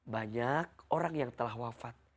banyak orang yang telah wafat